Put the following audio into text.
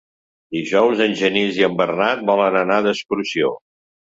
Dijous en Genís i en Bernat volen anar d'excursió.